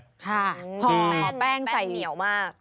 ครับพอแป้งใส่เหนียวมาก